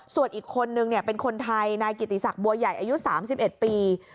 ส่วนอีกคนนึงเป็นคนไทยนายกิติศักดิ์บัวใหญ่อายุ๓๑ปี